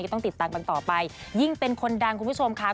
ต่างต่อไปยิ่งเป็นคนดังคุณผู้ชมค่ะ